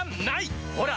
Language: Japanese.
ほら！